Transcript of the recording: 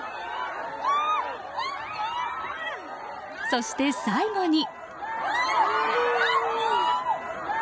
そして最後に。